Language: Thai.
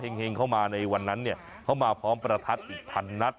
แห่งเขามาในวันนั้นเขามาพร้อมประทัดอีกพันนัด